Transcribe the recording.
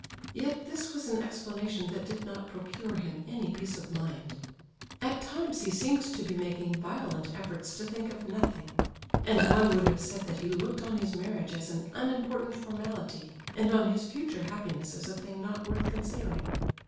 Yet this was an explanation that did not procure him any peace of mind. At times he seemed to be making violent efforts to think of nothing, and one would have said that he looked on his marriage as an unimportant formality, and on his future happiness as a thing not worth considering.